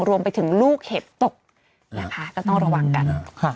รวมไปถึงลูกเห็บตกนะคะก็ต้องระวังกัน